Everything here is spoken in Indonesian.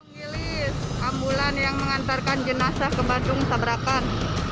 milih ambulan yang mengantarkan jenazah ke bandung tabrakan